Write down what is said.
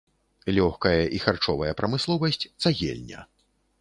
Лёгкая і харчовая прамысловасць, цагельня.